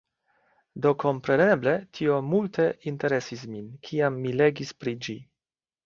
Do kompreneble, tio multe interesis min, kiam mi legis pri ĝi.